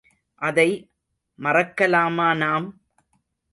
அதை மறக்கலாமா நாம்?